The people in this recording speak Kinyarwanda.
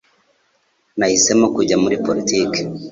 Nahisemo kujya muri politiki